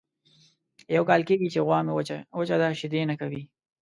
یو کال کېږي چې غوا مې وچه ده شیدې نه کوي.